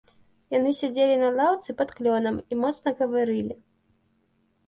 Яны сядзелі на лаўцы пад клёнам і моцна гаварылі.